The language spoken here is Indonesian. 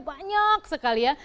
banyak sekali ya